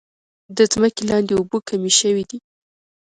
د ځمکې لاندې اوبه کمې شوي دي.